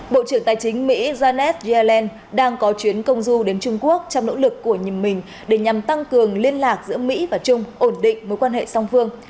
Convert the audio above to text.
bộ trưởng tài chính mỹ janet yellen đang có chuyến công du đến trung quốc trong nỗ lực của nhầm mình để nhằm tăng cường liên lạc giữa mỹ và trung ổn định mối quan hệ song phương